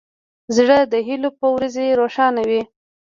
زړه د هیلو په ورځې روښانه وي.